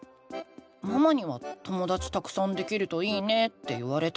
ママには「ともだちたくさんできるといいね」って言われたけど。